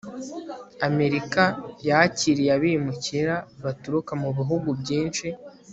amerika yakiriye abimukira baturuka mu bihugu byinshi